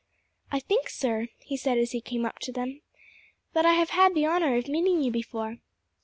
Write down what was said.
"I think, sir," he said as he came up to them, "that I have had the honour of meeting you before."